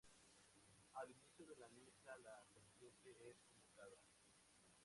Al inicio de la misa la serpiente es convocada.